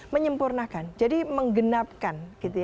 menyempurnakan jadi menggenapkan